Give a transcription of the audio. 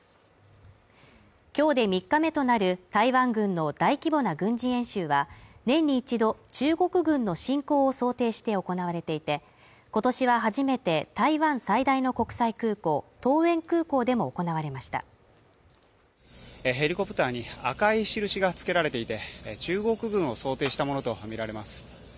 今日で３日目となる台湾軍の大規模な軍事演習は年に一度中国軍の侵攻を想定して行われていて今年は初めて台湾最大の国際空港桃園空港でも行われましたへリコプターに赤い印がつけられていて中国軍を想定したものと見られます